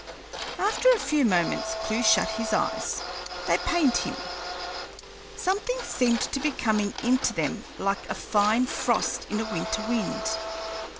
After a few moments Clewe shut his eyes; they pained him. Something seemed to be coming into them like a fine frost in a winter wind.